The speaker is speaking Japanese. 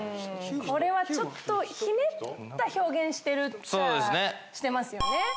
ちょっとひねった表現してるっちゃしてますよね。